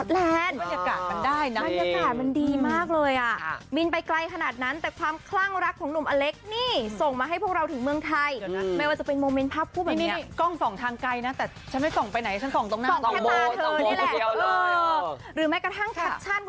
และคนที่อยู่ตรงหน้านี้สวยกว่าวิวไปเลยจ้า